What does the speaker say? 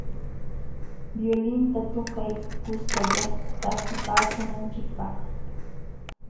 Violinta tukay kuskalla takipaakunanchikpaq.